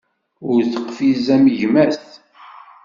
Ur teqfiz am gma-s.